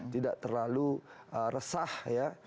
tidak terlalu resah ya